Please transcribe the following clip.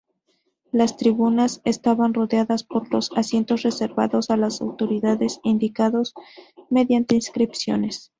Las tribunas estaban rodeadas por los asientos reservados a las autoridades, indicados mediante inscripciones.